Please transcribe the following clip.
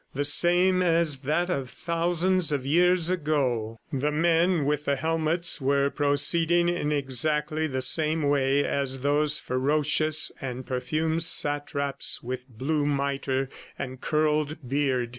The same as that of thousands of years ago! The men with the helmets were proceeding in exactly the same way as those ferocious and perfumed satraps with blue mitre and curled beard.